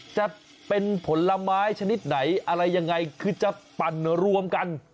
จะเป็นผลไม้ชนิดไหนอะไรยังไงคือจะปั่นรวมกัน